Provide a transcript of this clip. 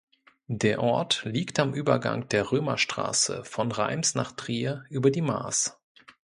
Der Ort liegt am Übergang der Römerstraße von Reims nach Trier über die Maas.